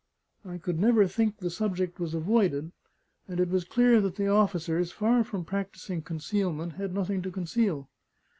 I could never think the subject was avoided; and it was clear that the officers, far from practising concealment, had nothing to conceal.